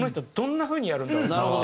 なるほど。